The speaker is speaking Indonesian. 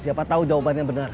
siapa tau jawabannya bener